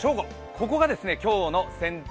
ここが今日の選択